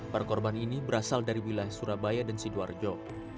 para korban ini berasal dari wilayah surabaya dan sidoarjo